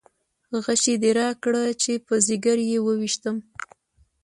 غشی دې راکړه چې په ځګر یې وویشتم.